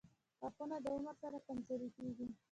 • غاښونه د عمر سره کمزوري کیږي.